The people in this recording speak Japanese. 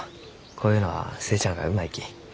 こういうのは寿恵ちゃんがうまいき。